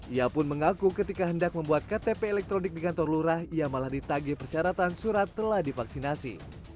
ia pun mengaku ketika hendak membuat ktp elektronik di kantor lurah ia malah ditagih persyaratan surat telah divaksinasi